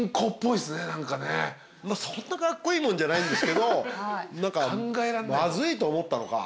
まあそんなカッコイイもんじゃないんですけど何かまずいと思ったのか。